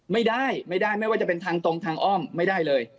ไม่ได้ไม่ได้ไม่ว่าจะเป็นทางตรงทางอ้อมไม่ได้เลย